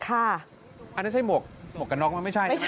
อันนั้นใช่หมวกกันนอกไหม